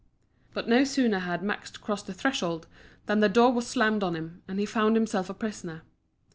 But no sooner had Max crossed the threshold than the door was slammed on him, and he found himself a prisoner.